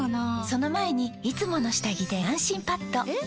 その前に「いつもの下着で安心パッド」え？！